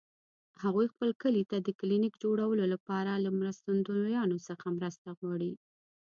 هغوی خپل کلي ته د کلینیک جوړولو لپاره له مرستندویانو څخه مرسته غواړي